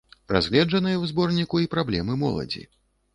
Разгледжаныя ў зборніку й праблемы моладзі.